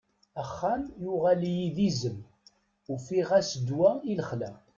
Axxam yuɣal-iyi d izem, ufiɣ-as ddwa i lexla.